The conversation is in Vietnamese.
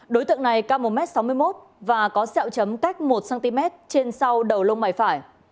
đối tượng này ca một m sáu mươi một và có dẹo chấm cách một cm trên sau đầu lông bảy phải